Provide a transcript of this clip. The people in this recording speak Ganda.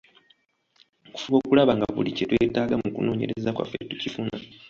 Okufuba okulaba nga buli kye twetaaga mu kunoonyereza kwaffe tukifuna.